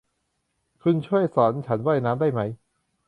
คุณช่วยสอนฉันว่ายน้ำได้มั้ย